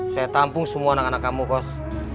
saya tampung semua anak anak kamu kos